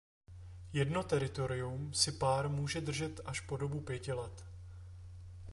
Jedno teritorium si pár může držet až po dobu pěti let.